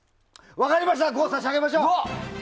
分かりました５差し上げましょう！